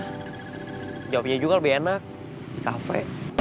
ya jawabannya juga lebih enak di kafe